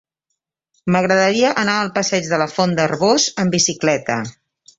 M'agradaria anar al passeig de la Font d'Arboç amb bicicleta.